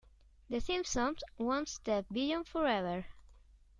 The Simpsons One Step Beyond Forever!